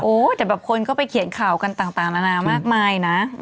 แต่แบบคนก็ไปเขียนข่าวกันต่างนานามากมายนะ